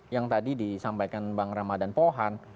yang tadi disampaikan bang ramadhan pohan